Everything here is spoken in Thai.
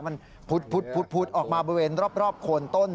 มันพุดออกมาบริเวณรอบโคนต้น